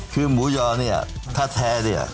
คือหมูยอเนี่ยถ้าแท้เนี่ย